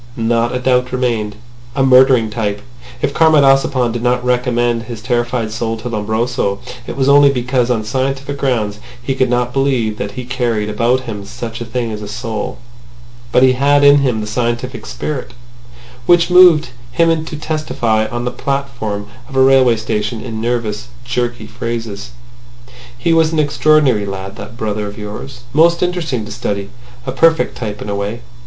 ... Not a doubt remained ... a murdering type. ... If Comrade Ossipon did not recommend his terrified soul to Lombroso, it was only because on scientific grounds he could not believe that he carried about him such a thing as a soul. But he had in him the scientific spirit, which moved him to testify on the platform of a railway station in nervous jerky phrases. "He was an extraordinary lad, that brother of yours. Most interesting to study. A perfect type in a way.